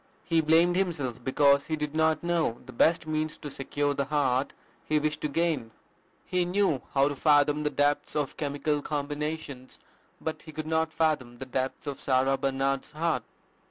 He blamed himself because he did not know "the best means to secure the heart he wished to gain." He knew how to fathom the depths of chemical combinations, but he could not fathom the depths of Sarah Barnard's heart.